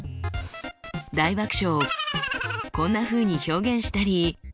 大爆笑をこんなふうに表現したり。